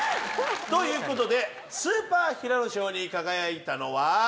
ということでスーパー平野賞に輝いたのは。